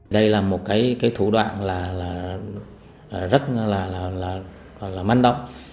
đây là một thủ đoạn rất là manh động